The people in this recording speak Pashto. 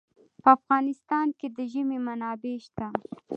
په افغانستان کې د ژمی منابع شته.